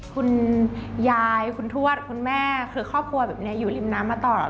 คุณยายคุณทวดคุณแม่คือครอบครัวแบบนี้อยู่ริมน้ำมาตลอด